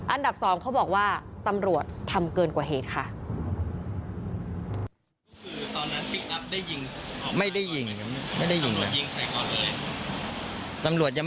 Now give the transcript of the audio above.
อันดับ๒เขาบอกว่าตำรวจทำเกินกว่าเหตุค่ะ